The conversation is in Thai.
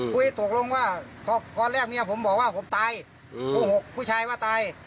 ตกลงว่าตอนแรกเมียผมบอกว่าผมตายโกหกผู้ชายว่าตาย